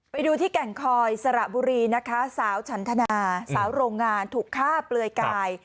ไปดูที่แก่งคอยสระบุรีนะคะสาวฉันทนาสาวโรงงานถูกฆ่าเปลือยกาย